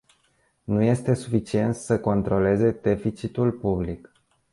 Nu este suficient să se controleze deficitul public.